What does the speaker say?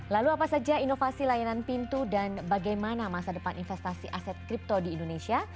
lalu apa saja inovasi layanan pintu dan bagaimana masa depan investasi aset kripto di indonesia